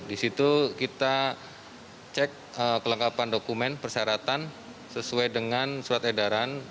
di situ kita cek kelengkapan dokumen persyaratan sesuai dengan surat edaran